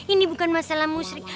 ini bukan masalah musrik